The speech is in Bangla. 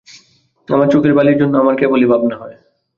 আমার চোখের বালির জন্যে আমার কেবলই ভাবনা হয়।